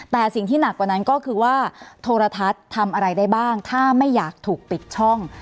แต่สิ่งที่หนักกว่านั้นก็คือว่าโทรทัศน์ทำอะไรได้บ้างถ้าไม่อยากถูกปิดช่อง